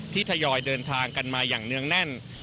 ทยอยเดินทางกันมาอย่างเนื่องแน่น